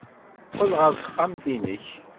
Qqel ɣer texxamt-nnek.